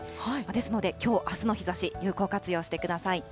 ですので、きょう、あすの日ざし、有効活用してください。